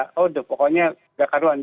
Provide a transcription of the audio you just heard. oh sudah pokoknya tidak ada ruangan